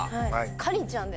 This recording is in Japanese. かりんちゃんで。